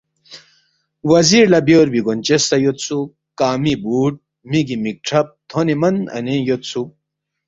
وزیر لہ بیوربی گونچس سہ یودسُوک، کنگمی بُوٹ، مِگی مِک کھرب تھونے من اَنینگ یودسُوک